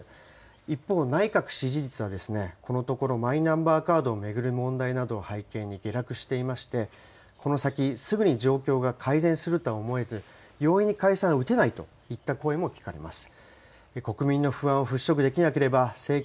一方、内閣支持率は、このところマイナンバーカードを巡る問題などを背景に下落していまして、この先、すぐに状況が改善するとは思えず、容易に解散を打てないといった声も聞かれます。